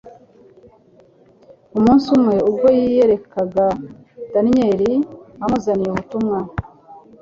Umunsi umwe ubwo yiyerekaga Daniel amuzaniye ubutumwa,